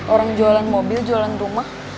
orang jualan mobil jualan rumah